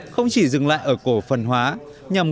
không chỉ dừng lại ở cổ phần hóa